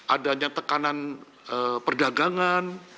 adanya tekanan perdagangan